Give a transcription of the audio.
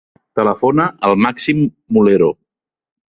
Telefona al Màxim Mulero.